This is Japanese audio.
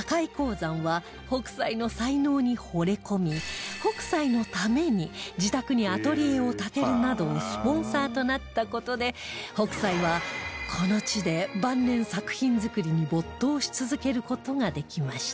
山は北斎の才能にほれ込み北斎のために自宅にアトリエを建てるなどスポンサーとなった事で北斎はこの地で晩年作品作りに没頭し続ける事ができました